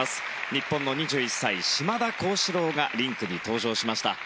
日本の２１歳、島田高志郎がリンクに登場しました。